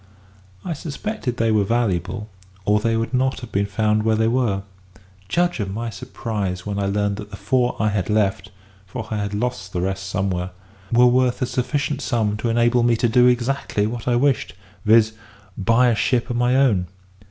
I suspected they were valuable, or they would not have been found where they were. Judge of my surprise when I learned that the four I had left (for I lost the rest somewhere) were worth a sufficient sum to enable me to do exactly what I wished; viz., buy a ship of my own.